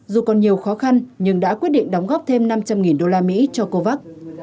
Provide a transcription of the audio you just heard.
dù còn nhiều khó khăn nhưng đã quyết định đóng góp thêm năm trăm linh usd